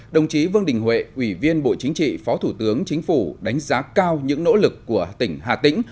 đồng chí vương đình huệ ủy viên bộ chính trị phó thủ tướng chính phủ đánh giá cao những nỗ lực của tỉnh hà tĩnh